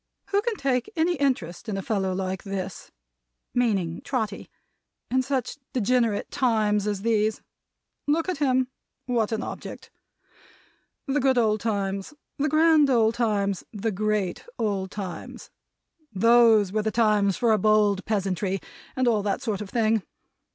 Who can take any interest in a fellow like this," meaning Trotty, "in such degenerate times as these? Look at him! What an object! The good old times, the grand old times, the great old times! Those were the times for a bold peasantry, and all that sort of thing.